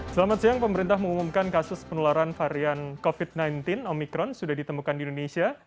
selamat siang pemerintah mengumumkan kasus penularan varian covid sembilan belas omikron sudah ditemukan di indonesia